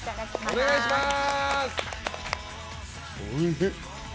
お願いします。